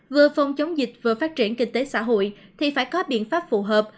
vừa phòng chống dịch vừa phát triển kinh tế xã hội thì phải có biện pháp phù hợp